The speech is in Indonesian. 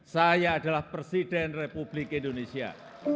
saya adalah presiden republik indonesia